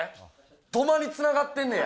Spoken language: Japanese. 土間に繋がってんねんや。